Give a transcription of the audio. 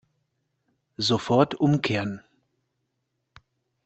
Sofort umkehren!